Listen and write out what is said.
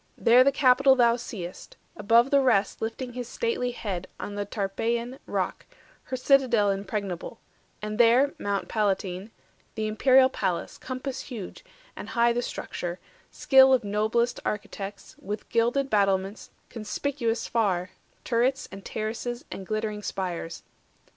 There the Capitol thou seest, Above the rest lifting his stately head On the Tarpeian rock, her citadel Impregnable; and there Mount Palatine, 50 The imperial palace, compass huge, and high The structure, skill of noblest architects, With gilded battlements, conspicuous far, Turrets, and terraces, and glittering spires.